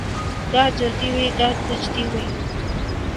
گاہ جلتی ہوئی گاہ بجھتی ہوئی